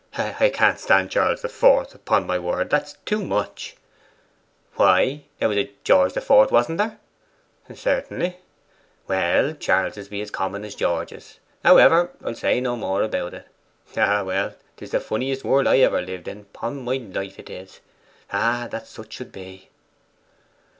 'I can't stand Charles the Fourth. Upon my word, that's too much.' 'Why? There was a George the Fourth, wasn't there?' 'Certainly.' 'Well, Charleses be as common as Georges. However I'll say no more about it....Ah, well! 'tis the funniest world ever I lived in upon my life 'tis. Ah, that such should be!